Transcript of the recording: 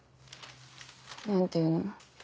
何ていうの？